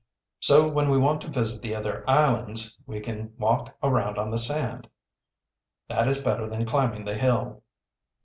"So, when we want to visit the other islands, we can walk around on the sand. That is better than climbing the hill."